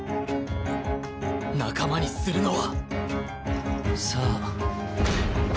仲間にするのはさあ。